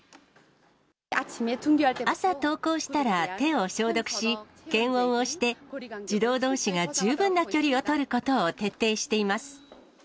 朝登校したら手を消毒し、検温をして、児童どうしが十分な距離を取ることを徹底しています。